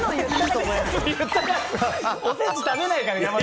おせち食べないから。